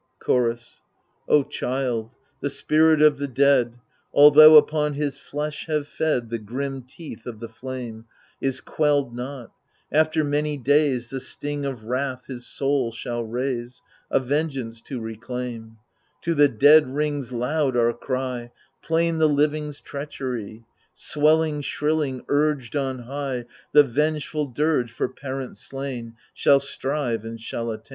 Chorus O child, the spirit of the dead, Altho' upon his flesh have fed The grim teeth of the flame. Is quelled not ; after many days The sting of wrath his soul shall raise, A vengeance to reclaim I To the dead rings loud our cry — Plain the living's treachery — Swelling, shrilling, urged on high, The vengeftil dirge, for parents slain, Shall strive and shall attain.